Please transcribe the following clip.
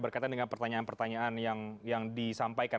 berkaitan dengan pertanyaan pertanyaan yang disampaikan